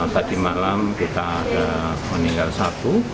tadi malam kita ada meninggal satu